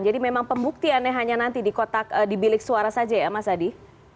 jadi memang pembuktiannya hanya nanti di kotak di bilik suara saja ya mas adi